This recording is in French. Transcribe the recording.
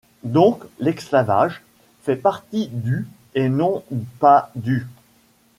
Donc l'esclavage fait partie du ', et non pas du '.